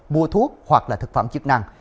mua thuốc hoặc là thực phẩm chức năng